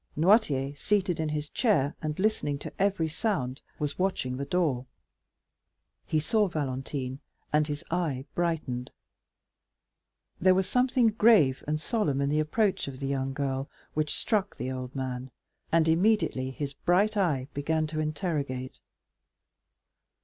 Noirtier, seated in his chair, and listening to every sound, was watching the door; he saw Valentine, and his eye brightened. There was something grave and solemn in the approach of the young girl which struck the old man, and immediately his bright eye began to interrogate.